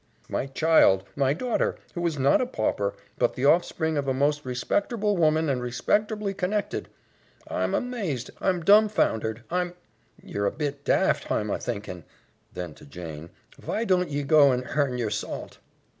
"My child, my daughter, who is not a pauper, but the offspring of a most respecterble woman and respecterbly connected. I'm amazed, I'm dumfoundered, I'm " "Ye're a bit daft, hi'm a thinkin'." Then to Jane, "Vy don't ye go an' hearn yer salt?"